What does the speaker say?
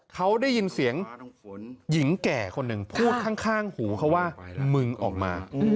เขาได้ยินเสียงหญิงแก่คนหนึ่งพูดข้างหูเขาว่ามึงออกมา